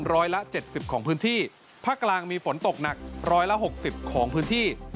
ร้อยละ๗๐ของพื้นที่ภาคกลางมีฝนตกหนักร้อยละ๖๐ของพื้นที่